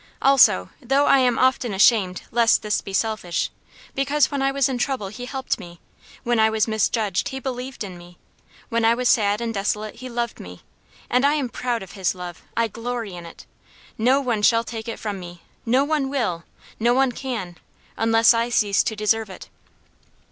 Also though I am often ashamed lest this be selfish because when I was in trouble he helped me; when I was misjudged he believed in me; when I was sad and desolate he loved me. And I am proud of his love I glory in it. No one shall take it from me no one will no one can, unless I cease to deserve it."